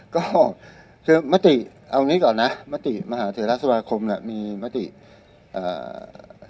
ก็คือมติเอางี้ก่อนนะมติมหาเทราสมาคมเนี้ยมีมติอ่า